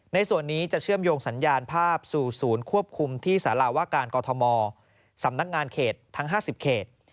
ในส่วนนี้จะเชื่อมโยงสัญญาณภาพสู่ศูนย์ควบคุมที่สารวาการกอทมสำนักงานเขตทั้ง๕๐เขต